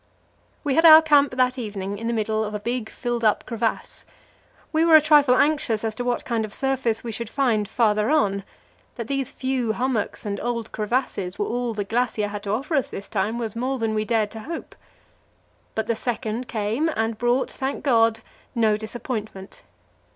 We had our camp that evening in the middle of a big, filled up crevasse. We were a trifle anxious as to what kind of surface we should find farther on; that these few hummocks and old crevasses were all the glacier had to offer us this time, was more than we dared to hope. But the 2nd came, and brought thank God! no disappointment.